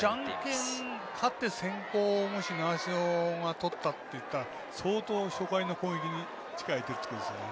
じゃんけんで勝って先攻を習志野がとったというなら相当初回の攻撃に力入れているってことですよね。